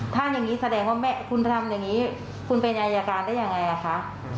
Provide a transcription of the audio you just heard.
ถ้าอย่างนี้แสดงว่าคุณทำอย่างนี้คุณเป็นอายการได้ยังไงคะ